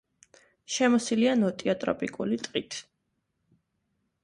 შემოსილია ნოტიო ტროპიკული ტყით.